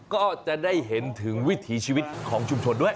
ก็จะได้เห็นถึงวิถีชีวิตของชุมชนด้วย